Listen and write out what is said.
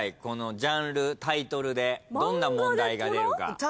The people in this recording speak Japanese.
このジャンルタイトルでどんな問題が出るか。